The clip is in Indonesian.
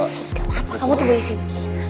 gapapa kamu tunggu disini